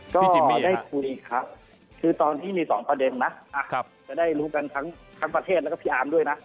ก็ได้คุยครับคือตอนที่มี๒ประเด็นนะจะได้รู้กันทั้งประเทศและพี่อำดุ้ยนะ